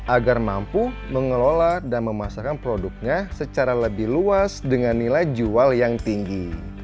agar mampu mengelola dan memasarkan produknya secara lebih luas dengan nilai jual yang tinggi